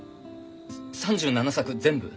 ３７作全部？